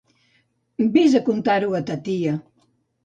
Ves a contar-ho a ta tia!